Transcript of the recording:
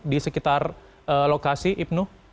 di sekitar lokasi ibnu